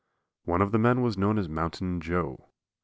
One of the men was known as Mountain Joe.